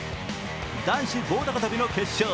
男子棒高跳の決勝